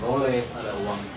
ada uang ada uang